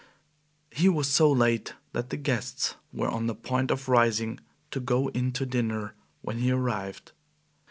He was so late that the guests were on the point of rising to go in to dinner when he arrived.